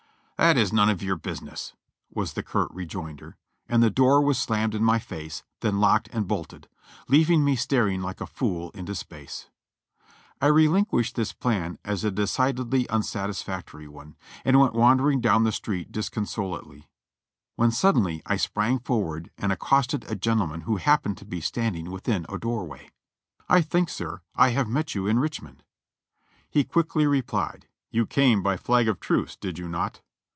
"That's none of your business !" was the curt rejoinder, and the door was slammed in my face, then locked and bolted; leav ing me staring like a fool into space. I relinquished this plan as a decidedly unsatisfactory one, and went wandering down the street disconsolately, when suddenly I sprang forward and accosted a gentleman who happened to be standing within a doorway. "I think, sir, I have met you in Richmond." He quickly replied, "You came by flag of truce, did you not?"